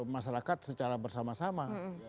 masyarakat secara bersama sama